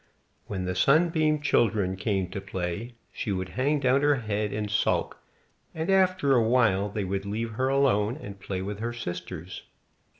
When the Sunbeam children came to play, she would hang down her head and sulk, and after a while they would leave her alone, and play with her sisters.